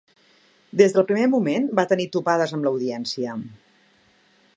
Des del primer moment va tenir topades amb l'Audiència.